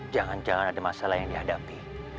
jangan jangan ada masalah yang dihadapi